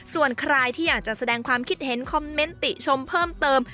ส่วนใครที่อยากจะแสดงความคิดเห็นคอมเมนต์ติชมเพิ่มเติม